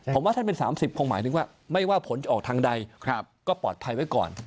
ผมว่าท่านเป็น๓๐คงหมายถึงว่าไม่ว่าผลจะออกทางใดก็ปลอดภัยไว้ก่อน